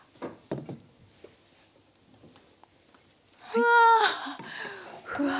うわ！